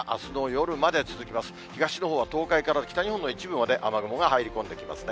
東のほうは東海から北日本の一部まで、雨雲が入り込んできますね。